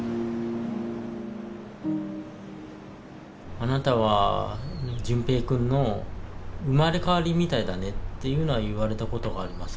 あなたは純平君の生まれ変わりみたいだねっていうのは言われたことがあります